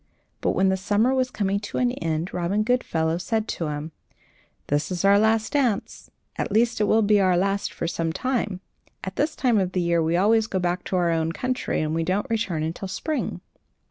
But when the summer was coming to an end, Robin Goodfellow said to him: "This is our last dance at least it will be our last for some time. At this time of the year we always go back to our own country, and we don't return until spring."